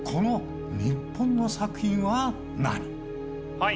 はい。